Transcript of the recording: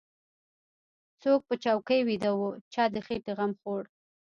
څوک په چوکۍ ويده و چا د خېټې غم خوړ.